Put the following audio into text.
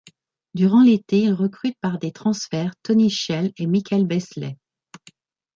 Durant l'été, ils recrutent par des transferts Tony Snell et Michael Beasley.